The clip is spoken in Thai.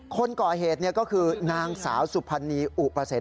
คนก่อเหตุเนี่ยก็คือนางสาวสุภัณฑ์นีอุประเศษ